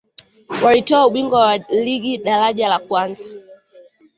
walitwaa ubingwa wa ligi daraja la kwanza